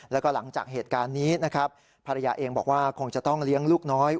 แล้วก็หลังจากเหตุการณ์นี้นะครับภรรยาเองบอกว่าคงจะต้องเลี้ยงลูกน้อย